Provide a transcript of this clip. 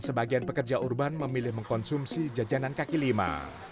sebagian pekerja urban memilih mengkonsumsi jajanan kaki lima